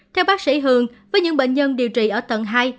theo bác sĩ hường với những bệnh nhân điều trị ở tầng hai